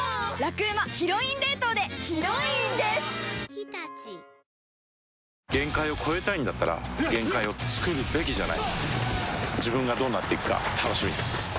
「肌男のメンズビオレ」限界を越えたいんだったら限界をつくるべきじゃない自分がどうなっていくか楽しみです